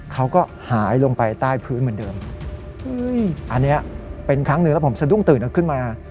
เขาก็หายลงไปใต้พื้นเหมือนเดิมอันนี้เป็นครั้งหนึ่งแล้วผมสะดุ้งตื่นขึ้นมา